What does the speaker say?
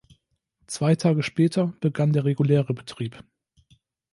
Zwei Tage später begann der reguläre Betrieb.